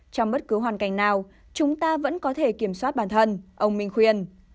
trong bất cứ hoàn cảnh nào chúng ta vẫn có thể kiểm soát bản thân ông minh khuyên